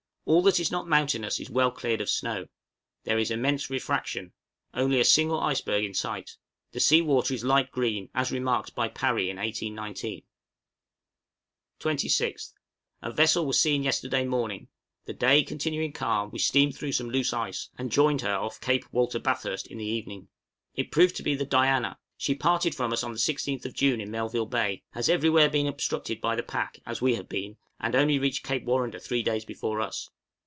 All that is not mountainous is well cleared of snow. There is immense refraction. Only a single iceberg in sight. The sea water is light green, as remarked by Parry in 1819. {OFF CAPE WALTER BATHURST.} 26th. A vessel was seen yesterday morning; the day continuing calm, we steamed through some loose ice, and joined her off Cape Walter Bathurst in the evening. It proved to be the 'Diana;' she parted from us on the 16th of June in Melville Bay, has everywhere been obstructed by the pack, as we have been, and only reached Cape Warrender three days before us.